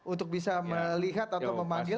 untuk bisa melihat atau memanggil